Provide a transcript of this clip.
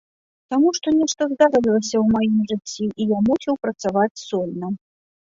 Таму што нешта здарылася ў маім жыцці і я мусіў працаваць сольна.